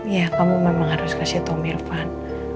ya kamu memang harus kasih tau om irfan